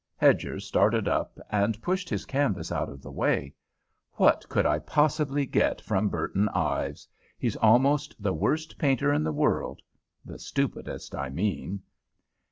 Hedger started up and pushed his canvas out of the way. "What could I possibly get from Burton Ives? He's almost the worst painter in the world; the stupidest, I mean."